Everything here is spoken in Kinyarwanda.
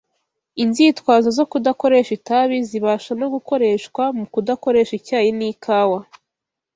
Inzitwazo zo kudakoresha itabi zibasha no gukoreshwa mu kudakoresha icyayi n’ikawa